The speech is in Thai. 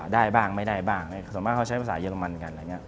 ได้บ้างไม่ได้บ้างส่วนมากเขาใช้ภาษาเยอรมันกัน